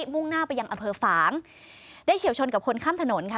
มุ่งหน้าไปยังอำเภอฝางได้เฉียวชนกับคนข้ามถนนค่ะ